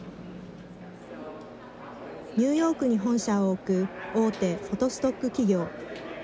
ニューヨークに本社を置く大手フォトストック企業。